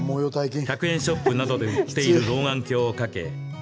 １００円ショップなどで売っている老眼鏡を掛け